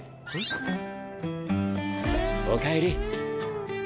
おかえり。